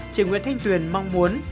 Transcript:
trị nguyễn thanh tuyền mong muốn